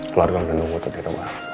keluar kamu nunggu gue tuh di rumah